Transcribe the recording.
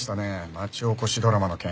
町おこしドラマの件。